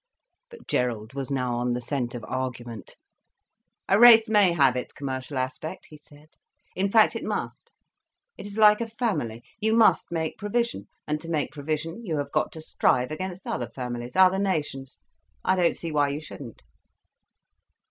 But Gerald was now on the scent of argument. "A race may have its commercial aspect," he said. "In fact it must. It is like a family. You must make provision. And to make provision you have got to strive against other families, other nations. I don't see why you shouldn't."